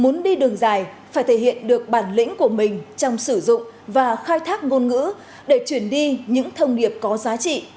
muốn đi đường dài phải thể hiện được bản lĩnh của mình trong sử dụng và khai thác ngôn ngữ để truyền đi những thông điệp có giá trị